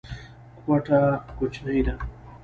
کوټه کوچنۍ ده.